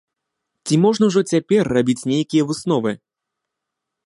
Ці можна ўжо цяпер рабіць нейкія высновы?